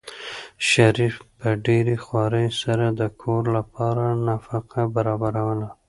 شریف په ډېرې خوارۍ سره د کور لپاره نفقه برابروله.